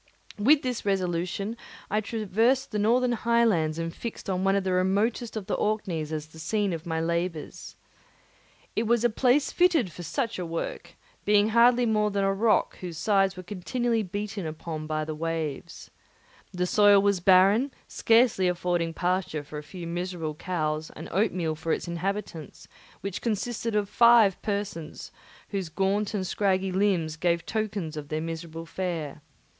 With this resolution I traversed the northern highlands and fixed on one of the remotest of the Orkneys as the scene of my labours. It was a place fitted for such a work, being hardly more than a rock whose high sides were continually beaten upon by the waves. The soil was barren, scarcely affording pasture for a few miserable cows, and oatmeal for its inhabitants, which consisted of five persons, whose gaunt and scraggy limbs gave tokens of their miserable fare.